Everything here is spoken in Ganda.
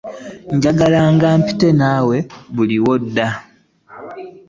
Njagala mpitenga naawe buli w'odda.